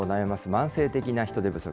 慢性的な人手不足。